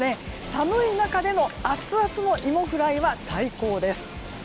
寒い中でも、アツアツのいもフライは最高です。